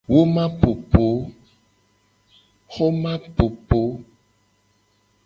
Woma popo.